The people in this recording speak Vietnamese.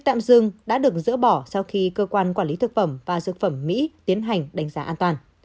tạm dừng đã được dỡ bỏ sau khi cơ quan quản lý thực phẩm và dược phẩm mỹ tiến hành đánh giá an toàn